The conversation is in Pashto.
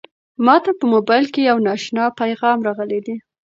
ما ته په موبایل کې یو نااشنا پیغام راغلی دی.